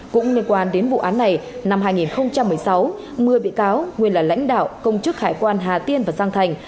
cũng liên quan đến vụ án này năm hai nghìn một mươi sáu một mươi bị cáo nguyên là lãnh đạo công chức hải quan hà tiên và giang thành